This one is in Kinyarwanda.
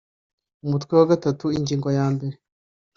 Umutwe wa gatatu ingingo ya mbere